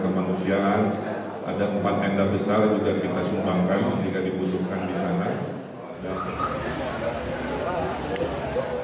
kemanusiaan ada empat tenda besar juga kita sumbangkan jika dibutuhkan di sana